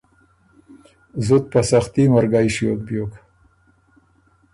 زُت په سختي مرګئ ݭیوک بیوک۔